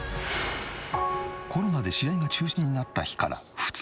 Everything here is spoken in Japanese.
コロナで試合が中止になった日から２日後。